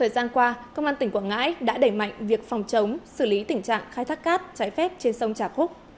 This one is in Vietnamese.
thời gian qua công an tỉnh quảng ngãi đã đẩy mạnh việc phòng chống xử lý tình trạng khai thác cát trái phép trên sông trà khúc